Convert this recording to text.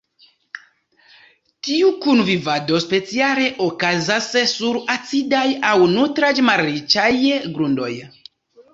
Tiu kunvivado speciale okazas sur acidaj aŭ nutraĵ-malriĉaj grundoj.